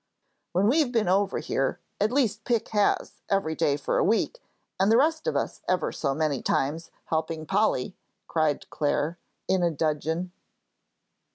"When we've been over here, at least Pick has, every day for a week, and the rest of us ever so many times, helping Polly," cried Clare, in a dudgeon.